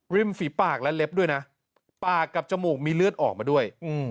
ฝีปากและเล็บด้วยนะปากกับจมูกมีเลือดออกมาด้วย